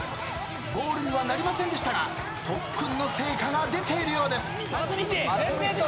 ゴールにはなりませんでしたが特訓の成果が出ているようです。